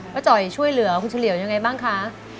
ประจอยช่วยเหลือคุณเฉลี่ยวอย่างไรบ้างคะ